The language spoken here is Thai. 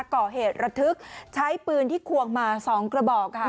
ก่อเหตุระทึกใช้ปืนที่ควงมา๒กระบอกค่ะ